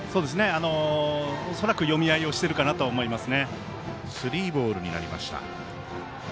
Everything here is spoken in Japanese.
恐らく読み合いをしてるかなと思います。